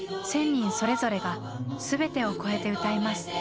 １，０００人それぞれが全てを超えて歌います。